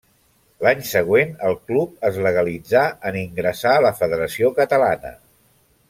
L'any següent el club es legalitzà en ingressar a la Federació Catalana.